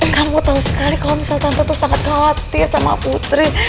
kamu tahu sekali kalau misalnya tante tuh sangat khawatir sama putri